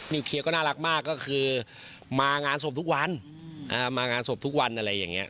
นิวเคียก็น่ารักมากก็คือมางานสวบทุกวันมางานสวบทุกวันอะไรอย่างเงี้ย